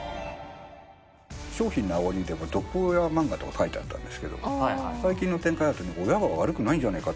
商品のあおりでも毒親漫画とか書いてあったんですけど最近の展開だと親は悪くないんじゃないか？